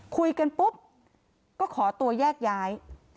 คุยกันปุ๊บก็ขอตัวแยกย้าย